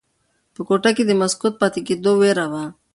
په کوټه کې د مسکوت پاتې کېدو ویره وه.